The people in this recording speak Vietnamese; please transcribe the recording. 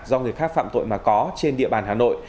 do người khác phạm tội mà có trên địa bàn hà nội